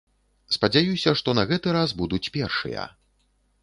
Спадзяюся, што на гэты раз будуць першыя.